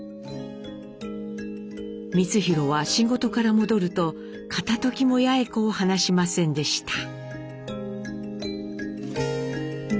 光宏は仕事から戻ると片ときも八詠子を離しませんでした。